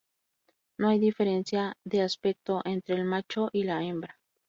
No hay diferencia de aspecto entre el macho y la hembra.